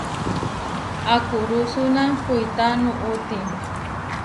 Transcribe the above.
Akurúsuna kuitá nuʼúti.